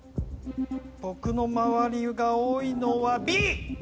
僕の周りが多いのは。